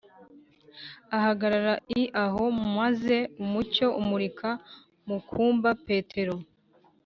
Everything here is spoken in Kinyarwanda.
Ahagarara l aho maze umucyo umurika mu kumba petero